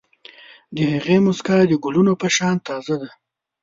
د هغې موسکا د ګلونو په شان تازه ده.